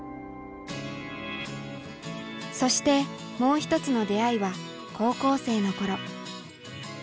そしてもう一つの出会いは高校生の頃。